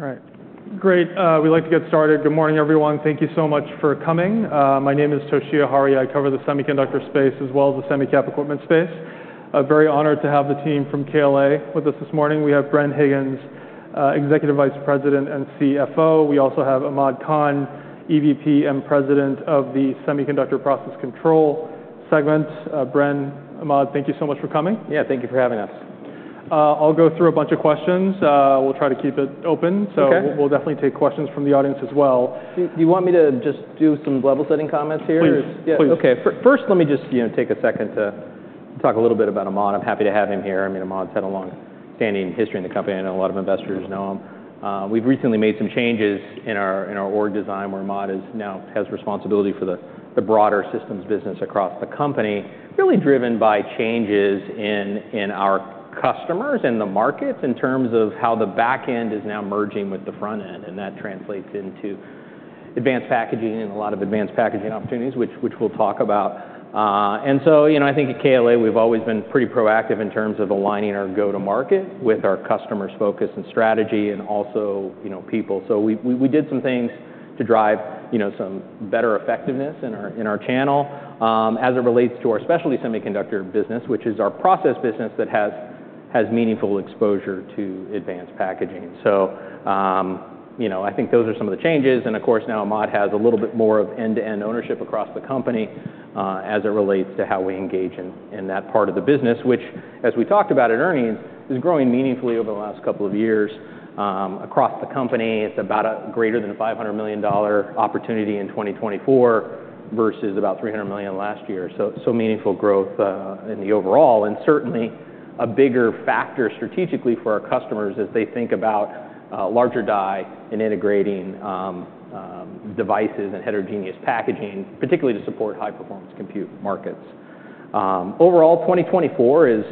All right, great. We'd like to get started. Good morning, everyone. Thank you so much for coming. My name is Toshiya Hari. I cover the semiconductor space as well as the semi-cap equipment space. I'm very honored to have the team from KLA with us this morning. We have Bren Higgins, Executive Vice President and CFO. We also have Ahmad Khan, EVP and President of the Semiconductor Process Control segment. Bren, Ahmad, thank you so much for coming. Yeah, thank you for having us. I'll go through a bunch of questions. We'll try to keep it open- Okay. So we'll definitely take questions from the audience as well. Do you want me to just do some level-setting comments here? Please, please. Yeah. Okay, first, let me just, you know, take a second to talk a little bit about Ahmad. I'm happy to have him here. I mean, Ahmad's had a long-standing history in the company, and a lot of investors know him. We've recently made some changes in our org design, where Ahmad is now has responsibility for the broader systems business across the company, really driven by changes in our customers, in the markets, in terms of how the back end is now merging with the front end, and that translates into advanced packaging and a lot of advanced packaging opportunities, which we'll talk about. And so, you know, I think at KLA, we've always been pretty proactive in terms of aligning our go-to-market with our customers' focus and strategy and also, you know, people. So we did some things to drive, you know, some better effectiveness in our channel as it relates to our specialty semiconductor business, which is our process business that has meaningful exposure to advanced packaging. So, you know, I think those are some of the changes, and of course, now Ahmad has a little bit more of end-to-end ownership across the company as it relates to how we engage in that part of the business, which, as we talked about in earnings, is growing meaningfully over the last couple of years. Across the company, it's about a greater than $500 million opportunity in 2024 versus about $300 million last year, so meaningful growth in the overall, and certainly a bigger factor strategically for our customers as they think about larger die and integrating devices and heterogeneous packaging, particularly to support high-performance compute markets. Overall, 2024 has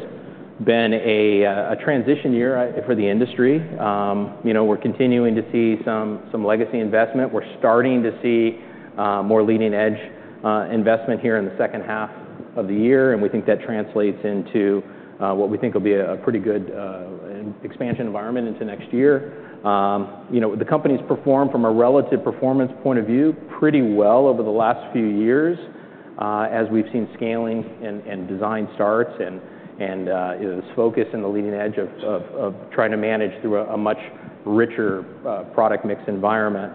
been a transition year for the industry. You know, we're continuing to see some legacy investment. We're starting to see more leading-edge investment here in the second half of the year, and we think that translates into what we think will be a pretty good expansion environment into next year. You know, the company's performed from a relative performance point of view pretty well over the last few years, as we've seen scaling and design starts and this focus on the leading edge of trying to manage through a much richer product mix environment.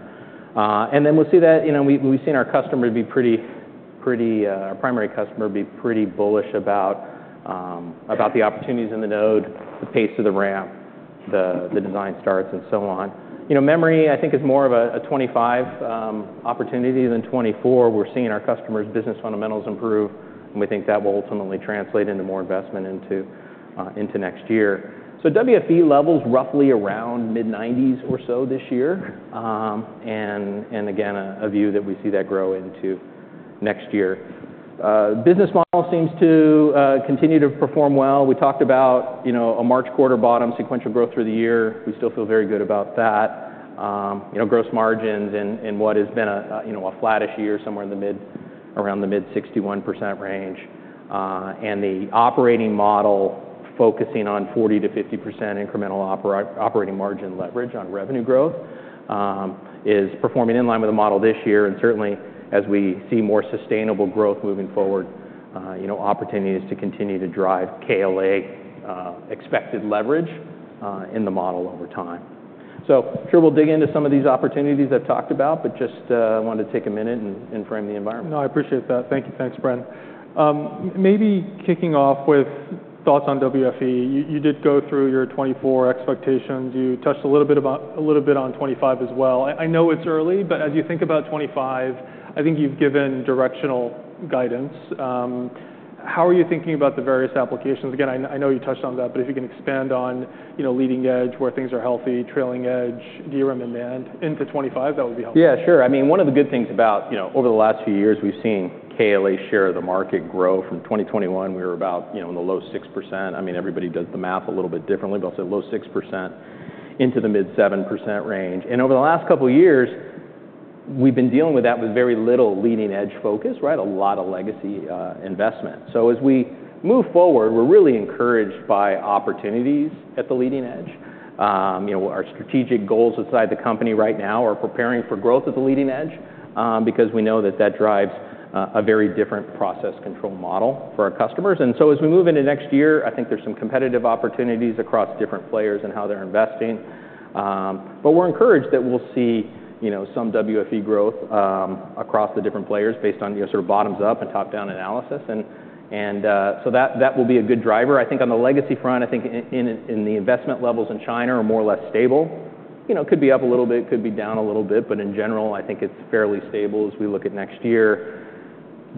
Then we'll see that. You know, we've seen our customer be pretty, our primary customer be pretty bullish about the opportunities in the node, the pace of the ramp, the design starts, and so on. You know, memory, I think, is more of a 2025 opportunity than 2024. We're seeing our customers' business fundamentals improve, and we think that will ultimately translate into more investment into next year. WFE levels roughly around mid-nineties or so this year, and again, a view that we see that grow into next year. Business model seems to continue to perform well. We talked about, you know, a March quarter bottom sequential growth through the year. We still feel very good about that. You know, gross margins in what has been a you know, a flattish year, somewhere in the mid, around the mid-61% range, and the operating model focusing on 40-50% incremental operating margin leverage on revenue growth is performing in line with the model this year, and certainly as we see more sustainable growth moving forward, you know, opportunities to continue to drive KLA expected leverage in the model over time. So sure, we'll dig into some of these opportunities I've talked about, but just wanted to take a minute and frame the environment. No, I appreciate that. Thank you. Thanks, Bren. Maybe kicking off with thoughts on WFE. You did go through your 2024 expectations. You touched a little bit about... A little bit on 2025 as well. I know it's early, but as you think about 2025, I think you've given directional guidance. How are you thinking about the various applications? Again, I know you touched on that, but if you can expand on, you know, leading edge, where things are healthy, trailing edge, DRAM demand into 2025, that would be helpful. Yeah, sure. I mean, one of the good things about, you know, over the last few years, we've seen KLA's share of the market grow. From 2021, we were about, you know, in the low 6%. I mean, everybody does the math a little bit differently, but I'd say low 6% into the mid-7% range. And over the last couple of years, we've been dealing with that with very little leading-edge focus, right? A lot of legacy investment. So as we move forward, we're really encouraged by opportunities at the leading edge. You know, our strategic goals inside the company right now are preparing for growth at the leading edge, because we know that that drives a very different process control model for our customers. And so as we move into next year, I think there's some competitive opportunities across different players and how they're investing. But we're encouraged that we'll see, you know, some WFE growth across the different players based on, you know, sort of bottoms-up and top-down analysis. So that will be a good driver. I think on the legacy front, I think in the investment levels in China are more or less stable. You know, could be up a little bit, could be down a little bit, but in general, I think it's fairly stable as we look at next year.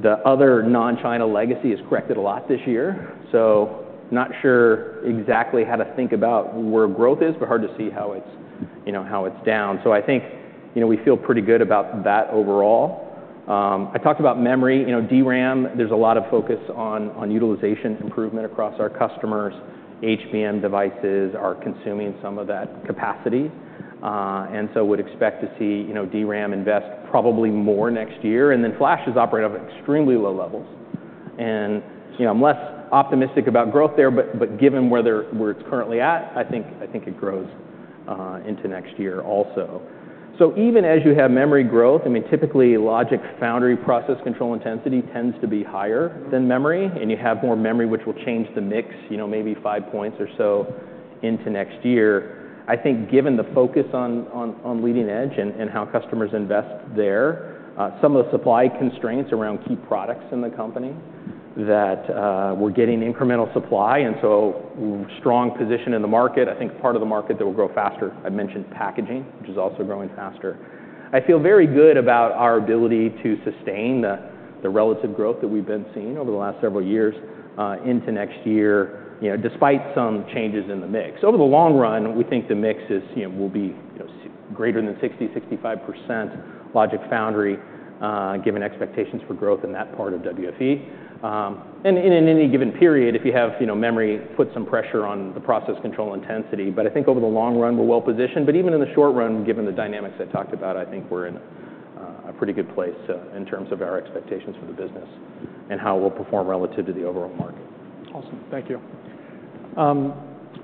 The other non-China legacy has corrected a lot this year, so not sure exactly how to think about where growth is, but hard to see how it's, you know, down. So I think, you know, we feel pretty good about that overall. I talked about memory. You know, DRAM, there's a lot of focus on, on utilization improvement across our customers. HBM devices are consuming some of that capacity, and so would expect to see, you know, DRAM invest probably more next year. And then flash is operating at extremely low levels. And, you know, I'm less optimistic about growth there, but given where it's currently at, I think it grows into next year also. So even as you have memory growth, I mean, typically, logic foundry process control intensity tends to be higher than memory, and you have more memory, which will change the mix, you know, maybe five points or so into next year. I think given the focus on leading edge and how customers invest there, some of the supply constraints around key products in the company that we're getting incremental supply, and so strong position in the market, I think part of the market that will grow faster. I mentioned packaging, which is also growing faster. I feel very good about our ability to sustain the relative growth that we've been seeing over the last several years into next year, you know, despite some changes in the mix. Over the long run, we think the mix is, you know, will be, you know, greater than 65% logic foundry, given expectations for growth in that part of WFE. And in any given period, if you have, you know, memory put some pressure on the process control intensity. But I think over the long run, we're well positioned. But even in the short run, given the dynamics I talked about, I think we're in a pretty good place in terms of our expectations for the business and how we'll perform relative to the overall market. Awesome. Thank you.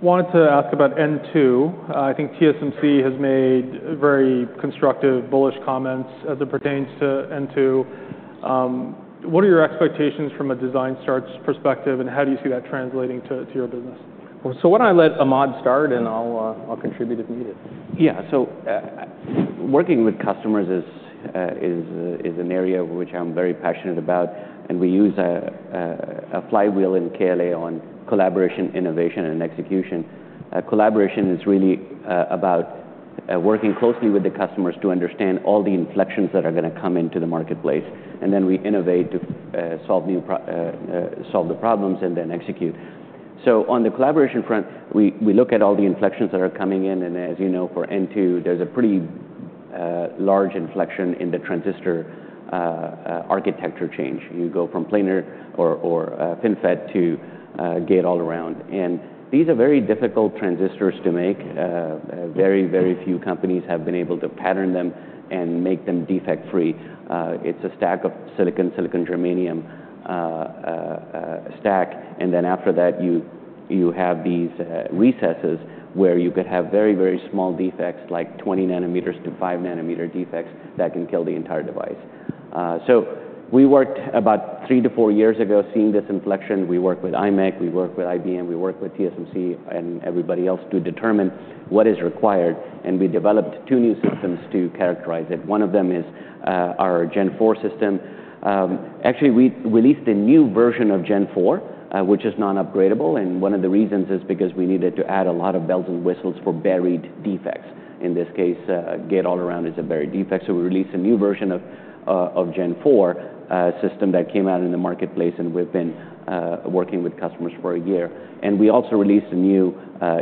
Wanted to ask about N2. I think TSMC has made very constructive, bullish comments as it pertains to N2. What are your expectations from a design starts perspective, and how do you see that translating to your business? So why don't I let Ahmad start, and I'll contribute if needed. Yeah, so working with customers is an area which I'm very passionate about, and we use a flywheel in KLA on collaboration, innovation, and execution. Collaboration is really about working closely with the customers to understand all the inflections that are gonna come into the marketplace, and then we innovate to solve the problems and then execute. So on the collaboration front, we look at all the inflections that are coming in, and as you know, for N2, there's a pretty large inflection in the transistor architecture change. You go from planar or FinFET to Gate-all-around. And these are very difficult transistors to make. Very, very few companies have been able to pattern them and make them defect-free. It's a stack of silicon, silicon germanium, stack, and then after that, you have these recesses where you could have very small defects, like twenty nanometers to five nanometer defects that can kill the entire device, so we worked about three to four years ago, seeing this inflection. We worked with IMEC, we worked with IBM, we worked with TSMC and everybody else to determine what is required, and we developed two new systems to characterize it. One of them is our Gen 4 system. Actually, we released a new version of Gen 4, which is non-upgradable, and one of the reasons is because we needed to add a lot of bells and whistles for buried defects. In this case, Gate-all-around is a buried defect, so we released a new version of Gen 4 system that came out in the marketplace, and we've been working with customers for a year, and we also released a new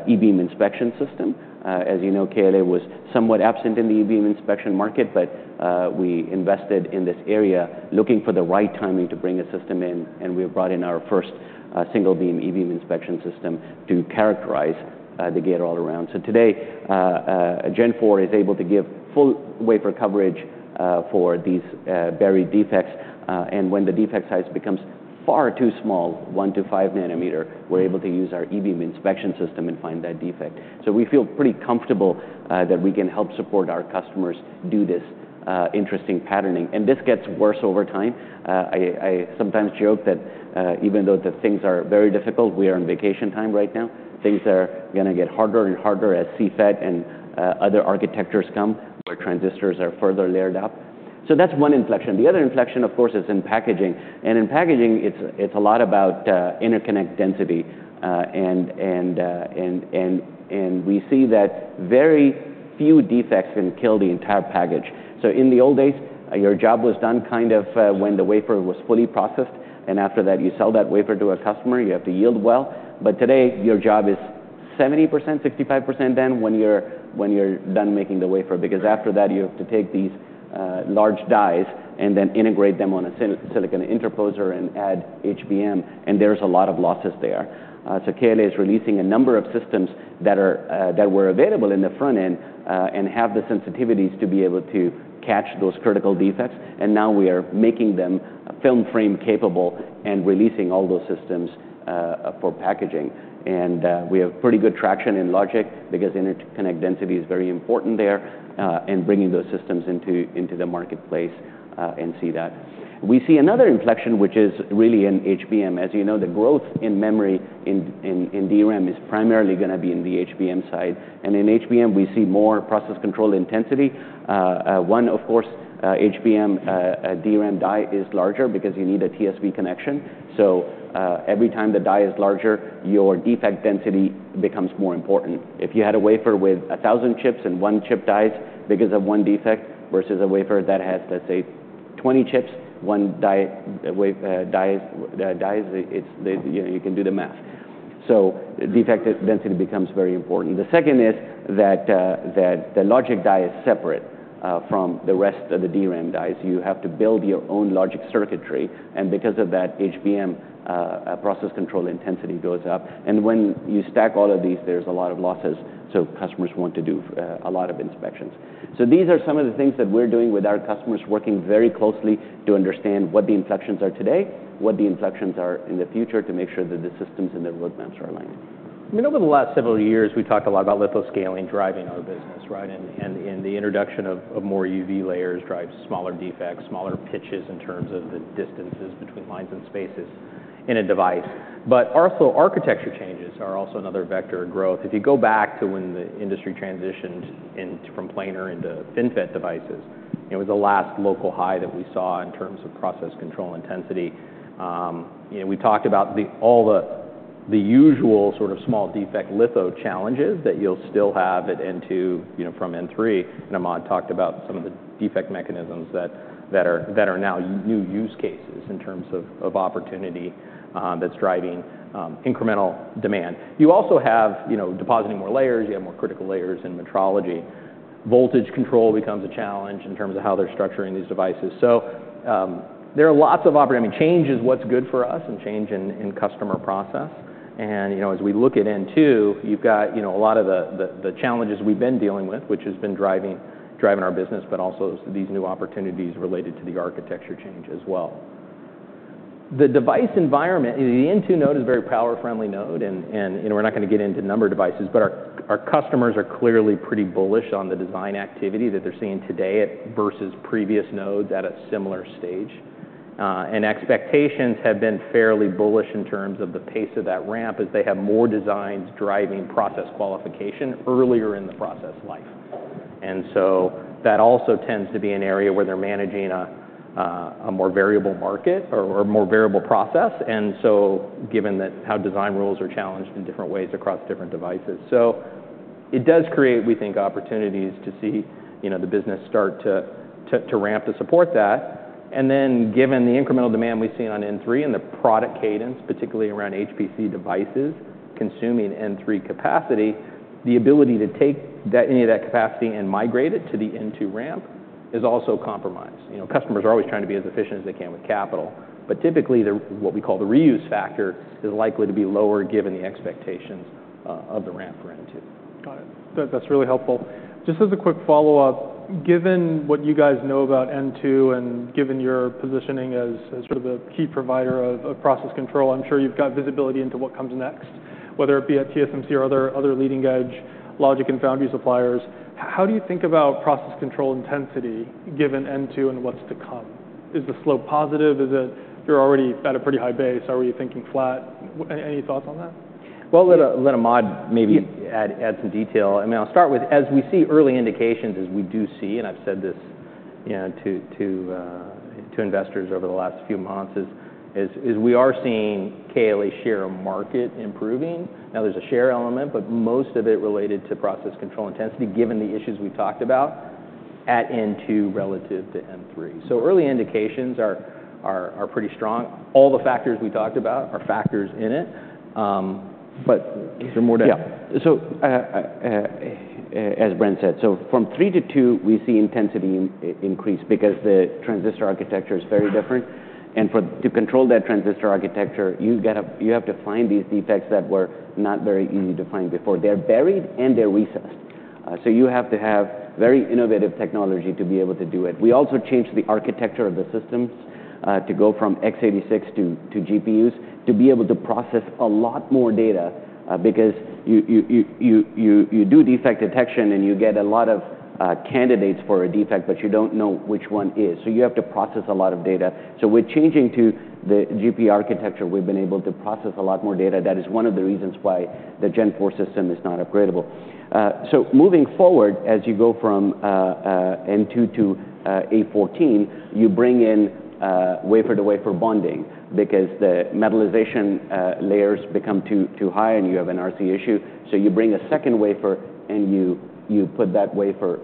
E-beam inspection system. As you know, KLA was somewhat absent in the E-beam inspection market, but we invested in this area, looking for the right timing to bring a system in, and we have brought in our first single beam E-beam inspection system to characterize the Gate-all-around. Today, Gen 4 is able to give full wafer coverage for these buried defects, and when the defect size becomes far too small, 1 to 5 nanometers, we're able to use our E-beam inspection system and find that defect. So we feel pretty comfortable that we can help support our customers do this interesting patterning. And this gets worse over time. I sometimes joke that even though the things are very difficult, we are on vacation time right now. Things are gonna get harder and harder as CFET and other architectures come, where transistors are further layered up. So that's one inflection. The other inflection, of course, is in packaging, and in packaging, it's a lot about interconnect density. And we see that very few defects can kill the entire package. So in the old days, your job was done kind of when the wafer was fully processed, and after that, you sell that wafer to a customer, you have to yield well. But today, your job is 70%, 55% done when you're done making the wafer because after that, you have to take these large dies and then integrate them on a silicon interposer and add HBM, and there's a lot of losses there. So KLA is releasing a number of systems that were available in the front end and have the sensitivities to be able to catch those critical defects, and now we are making them film frame capable and releasing all those systems for packaging. And we have pretty good traction in logic because interconnect density is very important there in bringing those systems into the marketplace, and we see that. We see another inflection, which is really in HBM. As you know, the growth in memory in DRAM is primarily gonna be in the HBM side, and in HBM, we see more process control intensity. One, of course, HBM DRAM die is larger because you need a TSV connection. So, every time the die is larger, your defect density becomes more important. If you had a wafer with a thousand chips and one chip dies because of one defect, versus a wafer that has, let's say, twenty chips, one die dies, it's... You know, you can do the math. So defect density becomes very important. The second is that the logic die is separate from the rest of the DRAM dies. You have to build your own logic circuitry, and because of that, process control intensity goes up. And when you stack all of these, there's a lot of losses, so customers want to do a lot of inspections. So these are some of the things that we're doing with our customers, working very closely to understand what the inspections are today, what the inspections are in the future, to make sure that the systems and the roadmaps are aligned. You know, over the last several years, we've talked a lot about litho scaling driving our business, right? And the introduction of more EUV layers drives smaller defects, smaller pitches in terms of the distances between lines and spaces in a device. But also, architecture changes are also another vector of growth. If you go back to when the industry transitioned from planar into FinFET devices, it was the last local high that we saw in terms of process control intensity. You know, we talked about the usual sort of small defect litho challenges that you'll still have at N2, you know, from N3, and Ahmad talked about some of the defect mechanisms that are now new use cases in terms of opportunity, that's driving incremental demand. You also have, you know, depositing more layers, you have more critical layers in metrology. Voltage control becomes a challenge in terms of how they're structuring these devices. So, there are lots of operating. Change is what's good for us and change in customer process. And, you know, as we look at N2, you've got, you know, a lot of the challenges we've been dealing with, which has been driving our business, but also these new opportunities related to the architecture change as well. The device environment, the N2 node is a very power-friendly node, and, you know, we're not going to get into number devices, but our customers are clearly pretty bullish on the design activity that they're seeing today versus previous nodes at a similar stage. And expectations have been fairly bullish in terms of the pace of that ramp, as they have more designs driving process qualification earlier in the process life. And so that also tends to be an area where they're managing a more variable market or a more variable process, and so given that how design rules are challenged in different ways across different devices. So it does create, we think, opportunities to see, you know, the business start to ramp to support that. And then, given the incremental demand we've seen on N3 and the product cadence, particularly around HPC devices consuming N3 capacity, the ability to take that, any of that capacity and migrate it to the N2 ramp is also compromised. You know, customers are always trying to be as efficient as they can with capital, but typically, the, what we call the reuse factor, is likely to be lower given the expectations of the ramp for N2. Got it. That, that's really helpful. Just as a quick follow-up: given what you guys know about N2 and given your positioning as, as sort of a key provider of, of process control, I'm sure you've got visibility into what comes next, whether it be at TSMC or other, other leading-edge logic and foundry suppliers. How do you think about process control intensity, given N2 and what's to come? Is the slope positive? Is it... You're already at a pretty high base. Are you thinking flat? Any, any thoughts on that? Let Ahmad maybe add some detail. I mean, I'll start with, as we see early indications, as we do see, and I've said this, you know, to investors over the last few months, is we are seeing KLA share market improving. Now, there's a share element, but most of it related to process control intensity, given the issues we talked about at N2 relative to N3. So early indications are pretty strong. All the factors we talked about are factors in it. But is there more to add? Yeah. So, as Bren said, so from three to two, we see intensity increase because the transistor architecture is very different. And to control that transistor architecture, you have to find these defects that were not very easy to find before. They're buried, and they're recessed, so you have to have very innovative technology to be able to do it. We also changed the architecture of the systems to go from x86 to GPUs to be able to process a lot more data because you do defect detection, and you get a lot of candidates for a defect, but you don't know which one is, so you have to process a lot of data. So with changing to the GPU architecture, we've been able to process a lot more data. That is one of the reasons why the Gen 4 system is not upgradable. So moving forward, as you go from N2 to A14, you bring in wafer-to-wafer bonding, because the metallization layers become too high, and you have an RC issue. So you bring a second wafer, and you put that wafer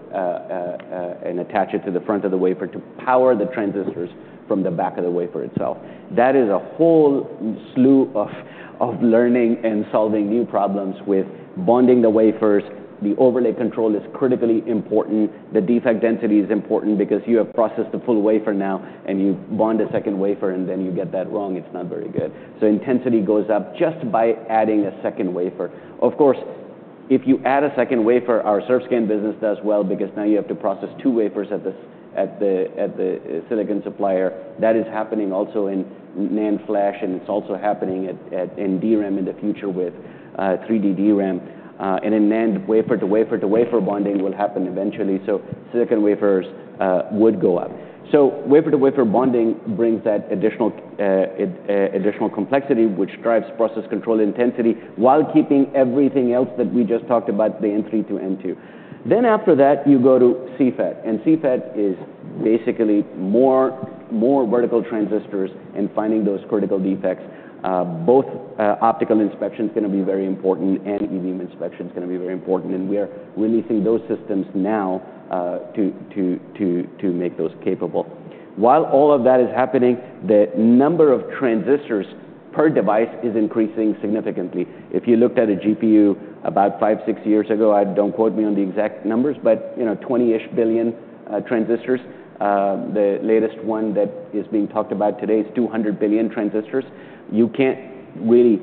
and attach it to the front of the wafer to power the transistors from the back of the wafer itself. That is a whole slew of learning and solving new problems with bonding the wafers. The overlay control is critically important. The defect density is important because you have processed the full wafer now, and you bond a second wafer, and then you get that wrong, it's not very good. So intensity goes up just by adding a second wafer. Of course, if you add a second wafer, our ServScan business does well because now you have to process two wafers at the silicon supplier. That is happening also in NAND flash, and it's also happening in DRAM in the future with 3D DRAM. And in NAND, wafer to wafer-to-wafer bonding will happen eventually, so silicon wafers would go up. So wafer-to-wafer bonding brings that additional complexity, which drives process control intensity while keeping everything else that we just talked about the N3 to N2. Then after that, you go to CFET, and CFET is basically more vertical transistors and finding those critical defects. Both, optical inspection is going to be very important, and E-beam inspection is going to be very important, and we are releasing those systems now to make those capable. While all of that is happening, the number of transistors per device is increasing significantly. If you looked at a GPU about five, six years ago, don't quote me on the exact numbers, but, you know, twenty-ish billion transistors. The latest one that is being talked about today is two hundred billion transistors. You can't really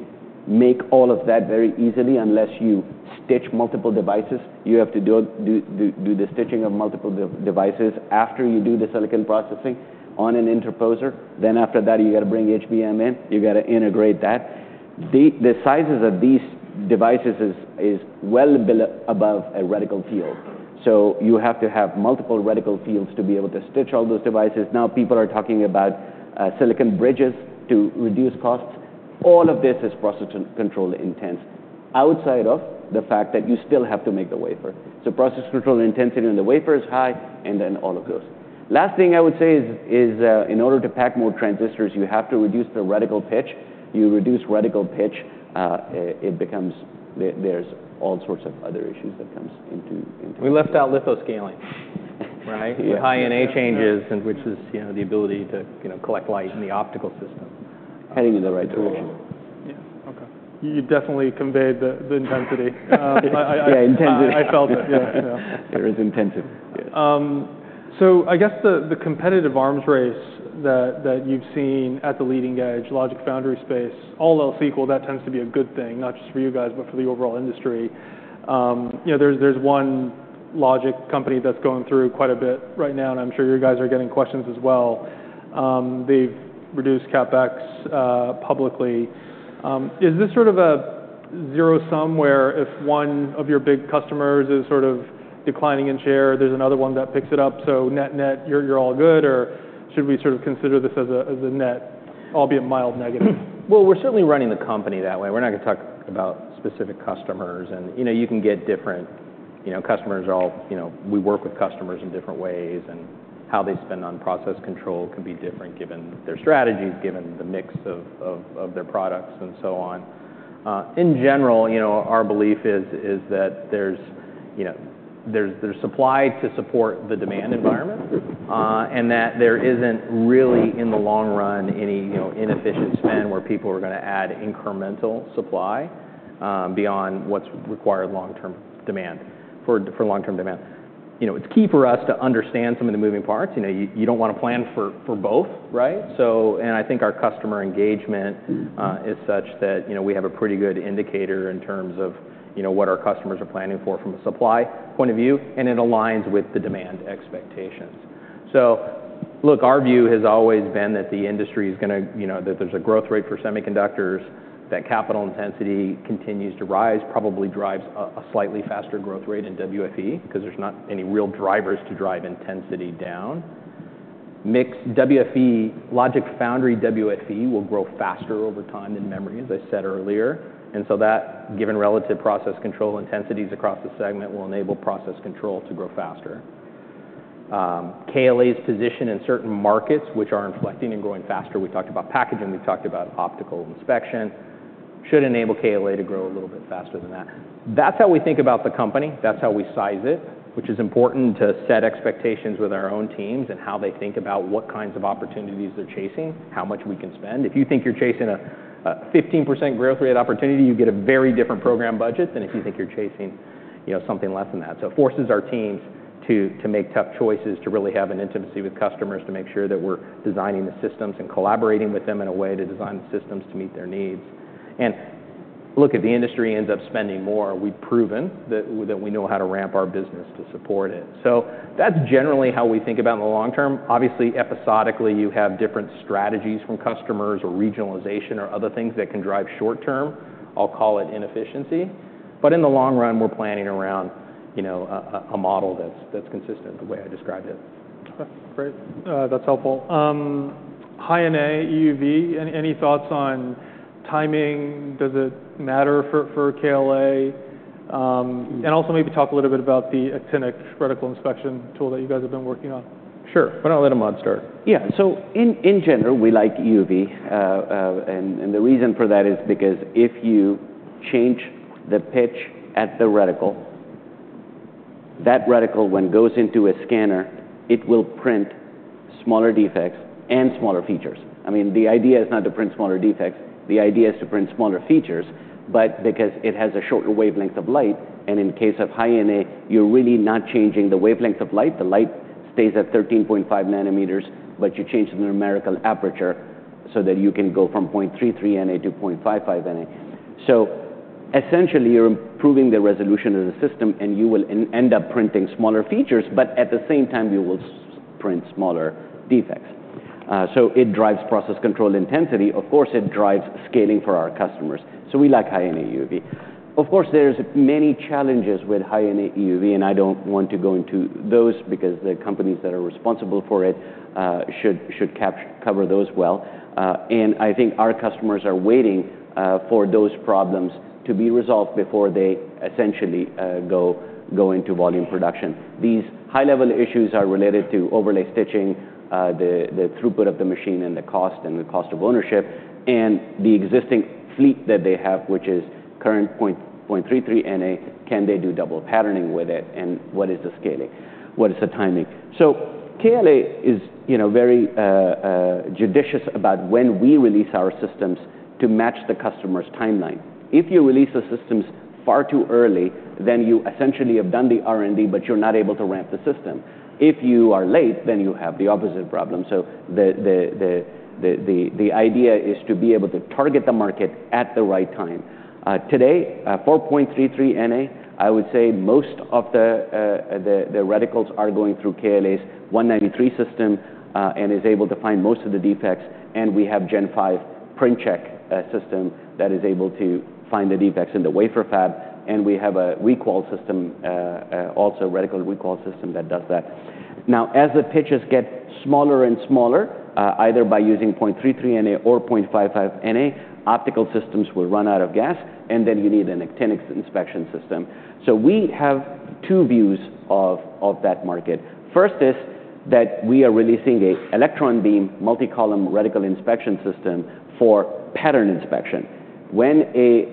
make all of that very easily unless you stitch multiple devices. You have to do the stitching of multiple devices after you do the silicon processing on an interposer. Then after that, you've got to bring HBM in. You've got to integrate that. The sizes of these devices is well above a reticle field. So you have to have multiple reticle fields to be able to stitch all those devices. Now, people are talking about silicon bridges to reduce costs. All of this is process control intense, outside of the fact that you still have to make the wafer. So process control intensity in the wafer is high, and then all of those. Last thing I would say is in order to pack more transistors, you have to reduce the reticle pitch. You reduce reticle pitch, it becomes there, there's all sorts of other issues that comes into play. We left out litho scaling, right? Yeah. The High NA changes, and which is, you know, the ability to, you know, collect light in the optical system. Heading in the right direction. Yeah. Okay. You definitely conveyed the intensity. Yeah, intensity. I felt it. Yeah, you know. It was intensive. So I guess the competitive arms race that you've seen at the leading edge logic foundry space, all else equal, that tends to be a good thing, not just for you guys, but for the overall industry. You know, there's one logic company that's going through quite a bit right now, and I'm sure you guys are getting questions as well. They've reduced CapEx publicly. Is this sort of a zero-sum where if one of your big customers is sort of declining in share, there's another one that picks it up, so net-net, you're all good, or should we sort of consider this as a net, albeit mild negative? Well, we're certainly running the company that way. We're not gonna talk about specific customers, and you know, you can get different. You know, customers are all you know, we work with customers in different ways, and how they spend on process control can be different given their strategies, given the mix of their products and so on. In general, you know, our belief is that there's you know, there's supply to support the demand environment, and that there isn't really, in the long run, any you know, inefficient spend where people are gonna add incremental supply beyond what's required for long-term demand. You know, it's key for us to understand some of the moving parts. You know, you don't want to plan for both, right? And I think our customer engagement is such that, you know, we have a pretty good indicator in terms of, you know, what our customers are planning for from a supply point of view, and it aligns with the demand expectations. Look, our view has always been that the industry is gonna, you know, that there's a growth rate for semiconductors, that capital intensity continues to rise, probably drives a slightly faster growth rate in WFE, 'cause there's not any real drivers to drive intensity down. Mix WFE, logic foundry WFE will grow faster over time than memory, as I said earlier, and so that, given relative process control intensities across the segment, will enable process control to grow faster. KLA's position in certain markets, which are inflecting and growing faster, we talked about packaging, we talked about optical inspection, should enable KLA to grow a little bit faster than that. That's how we think about the company. That's how we size it, which is important to set expectations with our own teams and how they think about what kinds of opportunities they're chasing, how much we can spend. If you think you're chasing a 15% growth rate opportunity, you get a very different program budget than if you think you're chasing, you know, something less than that. So it forces our teams to make tough choices, to really have an intimacy with customers, to make sure that we're designing the systems and collaborating with them in a way to design the systems to meet their needs. Look, if the industry ends up spending more, we've proven that we know how to ramp our business to support it. So that's generally how we think about it in the long term. Obviously, episodically, you have different strategies from customers or regionalization or other things that can drive short term, I'll call it inefficiency, but in the long run, we're planning around, you know, a model that's consistent the way I described it. Okay, great. That's helpful. High NA, EUV, any thoughts on timing? Does it matter for KLA? And also maybe talk a little bit about the Actinic reticle inspection tool that you guys have been working on. Sure. Why don't I let Ahmad start? Yeah. So in general, we like EUV, and the reason for that is because if you change the pitch at the reticle, that reticle, when it goes into a scanner, it will print smaller defects and smaller features. I mean, the idea is not to print smaller defects. The idea is to print smaller features, but because it has a shorter wavelength of light, and in case of High NA, you're really not changing the wavelength of light. The light stays at 13.5 nanometers, but you change the numerical aperture so that you can go from 0.33 NA to 0.55 NA. So essentially, you're improving the resolution of the system, and you will end up printing smaller features, but at the same time, you will print smaller defects. So it drives process control intensity. Of course, it drives scaling for our customers. So we like high NA EUV. Of course, there's many challenges with high NA EUV, and I don't want to go into those because the companies that are responsible for it should cover those well. And I think our customers are waiting for those problems to be resolved before they essentially go into volume production. These high-level issues are related to overlay stitching, the throughput of the machine, and the cost, and the cost of ownership, and the existing fleet that they have, which is current 0.33 NA. Can they do double patterning with it? And what is the scaling? What is the timing? So KLA is, you know, very judicious about when we release our systems to match the customer's timeline. If you release the systems far too early, then you essentially have done the R&D, but you're not able to ramp the system. If you are late, then you have the opposite problem, so the idea is to be able to target the market at the right time. Today, 0.33 NA, I would say most of the reticles are going through KLA's 193 system, and is able to find most of the defects, and we have Gen 5 PrintCheck system that is able to find the defects in the wafer fab, and we have a recall system, also reticle recall system that does that. Now, as the pitches get smaller and smaller, either by using 0.33 NA or 0.55 NA, optical systems will run out of gas, and then you need an actinic inspection system. So we have two views of that market. First is that we are releasing an electron beam, multi-column reticle inspection system for pattern inspection, when,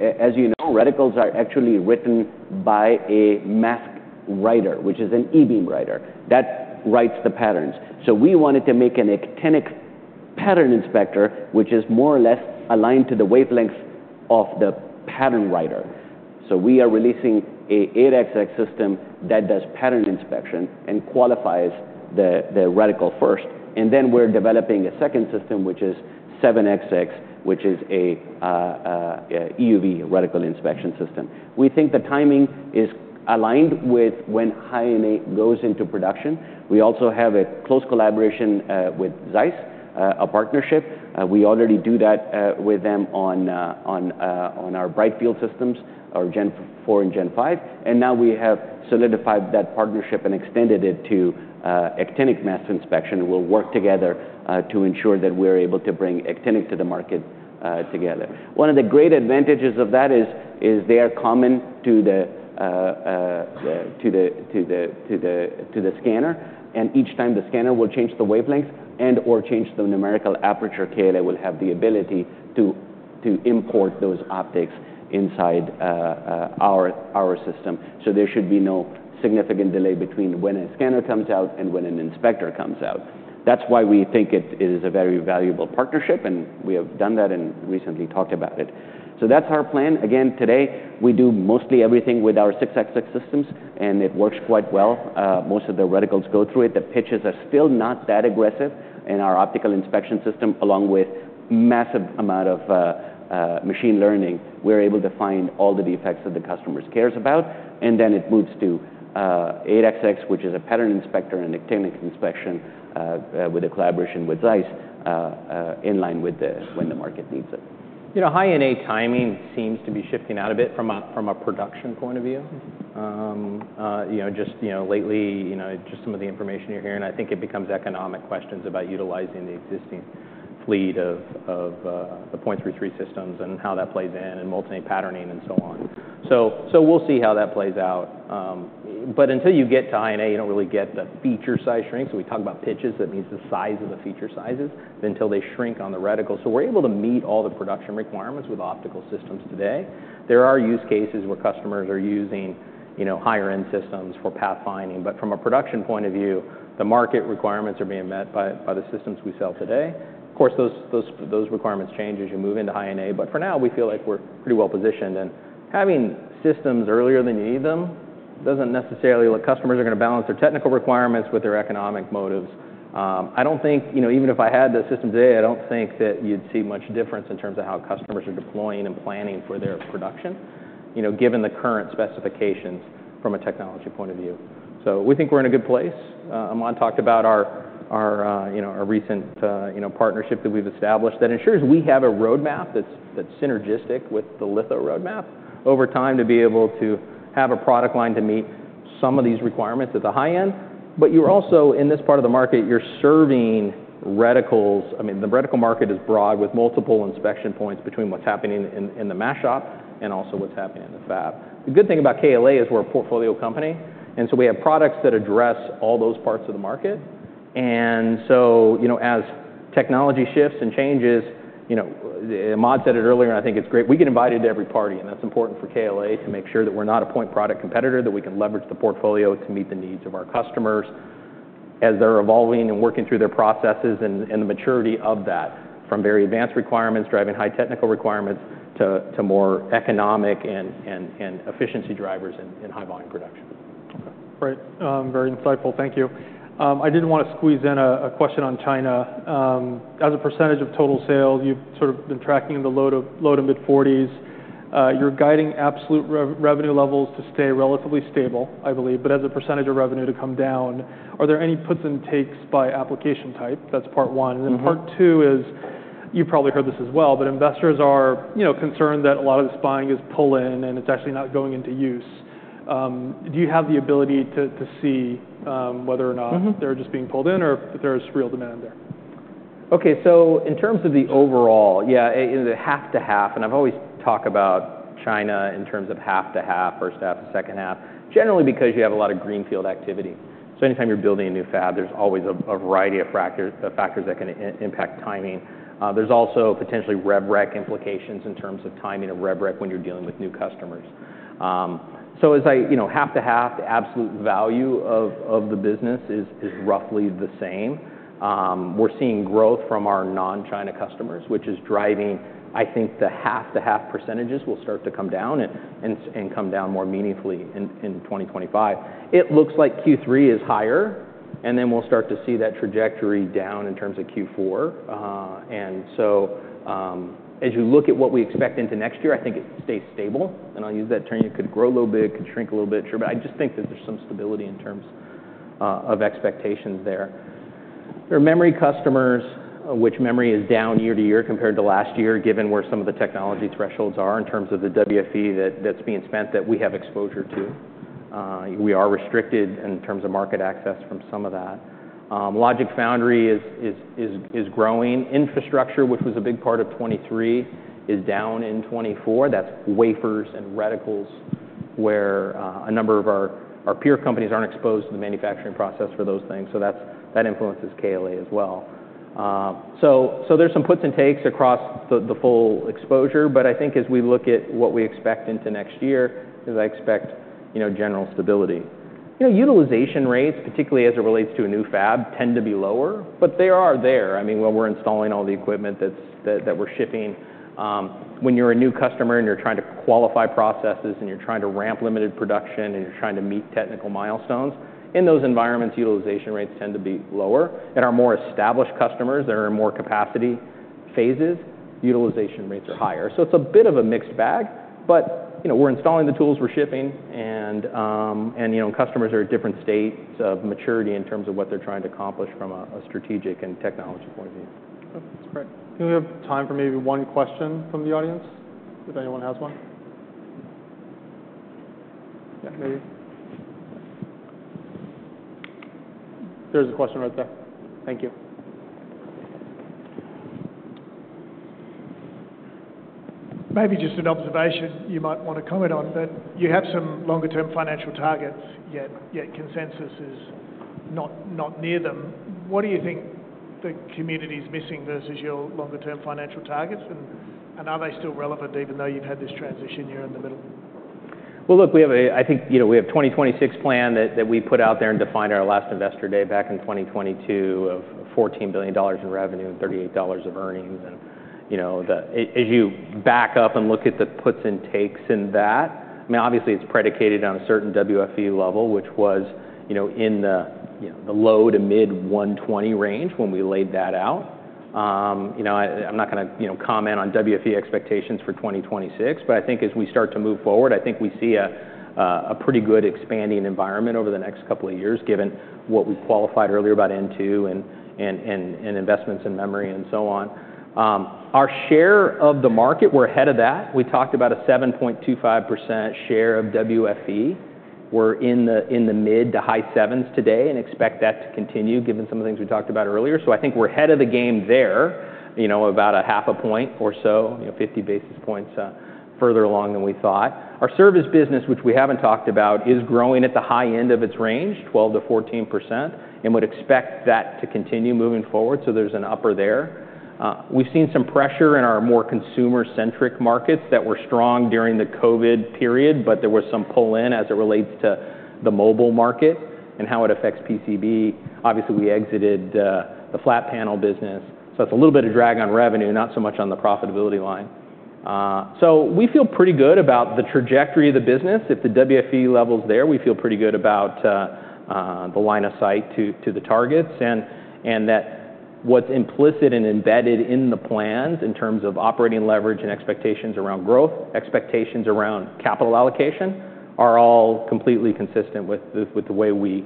as you know, reticles are actually written by a mask writer, which is an E-beam writer that writes the patterns. So we wanted to make an actinic pattern inspector, which is more or less aligned to the wavelength of the pattern writer. So we are releasing an 8XX system that does pattern inspection and qualifies the reticle first, and then we're developing a second system, which is 7XX, which is an EUV reticle inspection system. We think the timing is aligned with when High NA goes into production. We also have a close collaboration with Zeiss, a partnership. We already do that with them on our bright field systems, our Gen Four and Gen Five, and now we have solidified that partnership and extended it to actinic mask inspection. We'll work together to ensure that we're able to bring actinic to the market together. One of the great advantages of that is they are common to the scanner, and each time the scanner will change the wavelength and/or change the numerical aperture, KLA will have the ability to import those optics inside our system. So there should be no significant delay between when a scanner comes out and when an inspector comes out. That's why we think it is a very valuable partnership, and we have done that and recently talked about it. So that's our plan. Again, today, we do mostly everything with our 6XX systems, and it works quite well. Most of the reticles go through it. The pitches are still not that aggressive, and our optical inspection system, along with massive amount of machine learning, we're able to find all the defects that the customers cares about, and then it moves to 8XX, which is a pattern inspector and actinic inspection with a collaboration with Zeiss, in line with the when the market needs it. You know, High NA timing seems to be shifting out a bit from a production point of view. You know, just lately, you know, just some of the information you're hearing, I think it becomes economic questions about utilizing the existing fleet of the point three three systems and how that plays in, and multi-patterning, and so on. So we'll see how that plays out. But until you get to High NA, you don't really get the feature size shrink. So we talk about pitches, that means the size of the feature sizes, until they shrink on the reticle. So we're able to meet all the production requirements with optical systems today. There are use cases where customers are using, you know, higher-end systems for pathfinding, but from a production point of view, the market requirements are being met by the systems we sell today. Of course, those requirements change as you move into High NA, but for now, we feel like we're pretty well positioned, and having systems earlier than you need them doesn't necessarily... Well, customers are gonna balance their technical requirements with their economic motives. I don't think, you know, even if I had the system today, I don't think that you'd see much difference in terms of how customers are deploying and planning for their production, you know, given the current specifications from a technology point of view. So we think we're in a good place. Ahmad talked about you know, our recent partnership that we've established, that ensures we have a roadmap that's synergistic with the litho roadmap over time, to be able to have a product line to meet some of these requirements at the high end. But you're also, in this part of the market, you're serving reticles... I mean, the reticle market is broad, with multiple inspection points between what's happening in the mask shop and also what's happening in the fab. The good thing about KLA is we're a portfolio company, and so we have products that address all those parts of the market. And so, you know, as technology shifts and changes, you know, Ahmad said it earlier, and I think it's great. We get invited to every party, and that's important for KLA to make sure that we're not a point product competitor, that we can leverage the portfolio to meet the needs of our customers as they're evolving and working through their processes and the maturity of that, from very advanced requirements, driving high technical requirements, to more economic and efficiency drivers in high volume production. Okay. Great. Very insightful. Thank you. I did want to squeeze in a question on China. As a percentage of total sales, you've sort of been tracking in the low- to mid-40s. You're guiding absolute revenue levels to stay relatively stable, I believe, but as a percentage of revenue, to come down. Are there any puts and takes by application type? That's part one. Mm-hmm. Then part two is, you've probably heard this as well, but investors are, you know, concerned that a lot of the spending is pull-in, and it's actually not going into use. Do you have the ability to see whether or not- Mm-hmm... they're just being pulled in or if there is real demand there? Okay, so in terms of the overall, yeah, in the half to half, and I've always talked about China in terms of half to half or first half to second half, generally because you have a lot of greenfield activity. So anytime you're building a new fab, there's always a variety of factors that can impact timing. There's also potentially rev rec implications in terms of timing of rev rec when you're dealing with new customers. So as I... You know, half to half, the absolute value of the business is roughly the same. We're seeing growth from our non-China customers, which is driving, I think, the half to half percentages will start to come down and come down more meaningfully in 2025. It looks like Q3 is higher, and then we'll start to see that trajectory down in terms of Q4, and so, as you look at what we expect into next year, I think it stays stable, and I'll use that term. It could grow a little bit, it could shrink a little bit, sure, but I just think that there's some stability in terms of expectations there. There are memory customers, which memory is down year to year compared to last year, given where some of the technology thresholds are in terms of the WFE that's being spent, that we have exposure to. We are restricted in terms of market access from some of that. Logic foundry is growing. Infrastructure, which was a big part of 2023, is down in 2024. That's wafers and reticles. where a number of our peer companies aren't exposed to the manufacturing process for those things, so that influences KLA as well. So there's some puts and takes across the full exposure, but I think as we look at what we expect into next year, is I expect, you know, general stability. You know, utilization rates, particularly as it relates to a new fab, tend to be lower, but they are there. I mean, when we're installing all the equipment that we're shipping. When you're a new customer and you're trying to qualify processes, and you're trying to ramp limited production, and you're trying to meet technical milestones, in those environments, utilization rates tend to be lower. In our more established customers, there are more capacity phases, utilization rates are higher. So it's a bit of a mixed bag, but, you know, we're installing the tools, we're shipping, and, you know, customers are at different states of maturity in terms of what they're trying to accomplish from a strategic and technology point of view. Okay, great. Do we have time for maybe one question from the audience, if anyone has one? Yeah, maybe. There's a question right there. Thank you. Maybe just an observation you might want to comment on, but you have some longer term financial targets, yet consensus is not near them. What do you think the community's missing versus your longer term financial targets, and are they still relevant even though you've had this transition year in the middle? Well, look, we have a 2026 plan that we put out there and defined our last investor day back in 2022 of $14 billion in revenue and $38 of earnings. And, you know, as you back up and look at the puts and takes in that, I mean, obviously it's predicated on a certain WFE level, which was, you know, in the, you know, the low-to-mid $120 range when we laid that out. You know, I'm not gonna, you know, comment on WFE expectations for 2026, but I think as we start to move forward, I think we see a pretty good expanding environment over the next couple of years, given what we qualified earlier about N2 and investments in memory and so on. Our share of the market, we're ahead of that. We talked about a 7.25% share of WFE. We're in the mid- to high 7s% today and expect that to continue, given some of the things we talked about earlier. So I think we're ahead of the game there, you know, about a half a point or so, you know, 50 basis points further along than we thought. Our service business, which we haven't talked about, is growing at the high end of its range, 12%-14%, and would expect that to continue moving forward, so there's an upper there. We've seen some pressure in our more consumer-centric markets that were strong during the COVID period, but there was some pull in as it relates to the mobile market and how it affects PCB. Obviously, we exited the flat panel business, so it's a little bit of drag on revenue, not so much on the profitability line. So we feel pretty good about the trajectory of the business. If the WFE level's there, we feel pretty good about the line of sight to the targets, and that what's implicit and embedded in the plans in terms of operating leverage and expectations around growth, expectations around capital allocation, are all completely consistent with the way we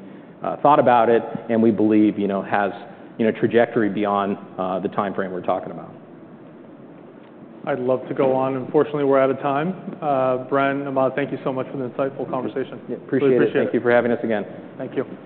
thought about it, and we believe, you know, has, you know, trajectory beyond the timeframe we're talking about. I'd love to go on. Unfortunately, we're out of time. Bren, Ahmad, thank you so much for the insightful conversation. Yeah, appreciate it. Really appreciate it. Thank you for having us again. Thank you.